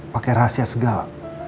pakai rahasia segala